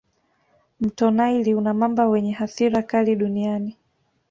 Mto naili una mamba wenye hasira kali duniani